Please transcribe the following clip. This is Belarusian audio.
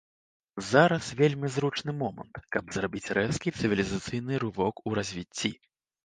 Зараз вельмі зручны момант, каб зрабіць рэзкі цывілізацыйны рывок у развіцці.